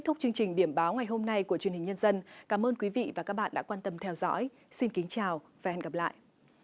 thúc chương trình điểm báo ngày hôm nay của truyền hình nhân dân cảm ơn quý vị và các bạn đã quan tâm theo dõi xin kính chào và hẹn gặp lại